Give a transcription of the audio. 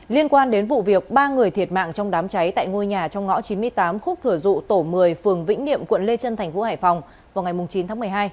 liên quan đến vụ việc ba người thiệt mạng trong đám cháy tại ngôi nhà trong ngõ chín mươi tám khúc thừa dụ tổ một mươi phường vĩnh niệm quận lê trân thành phố hải phòng vào ngày chín tháng một mươi hai